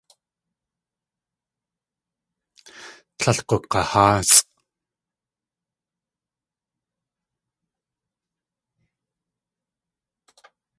Tlél gug̲aháasʼ.